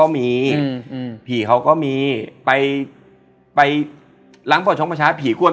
มันก็มาเล่นว่านั้นเออมากล้วน